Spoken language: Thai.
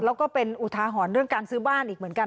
แล้วก็เป็นอุทาหรณ์เรื่องการซื้อบ้านอีกเหมือนกัน